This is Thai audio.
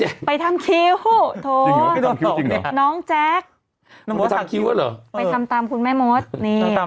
จริงหรอไปทำคิ้วจริงหรอน้องแจ๊กไปทำคุณแม่มดนี่นะ